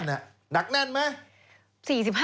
นั่นน่ะนักแน่นไหม